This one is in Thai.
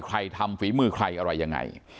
ทำฝีมือใครอะไรยังไง